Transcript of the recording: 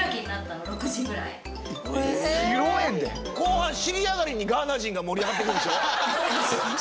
後半尻上がりにガーナ人が盛り上がってくるんでしょ？